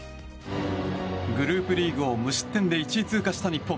グループリーグを無失点で１位通過した日本。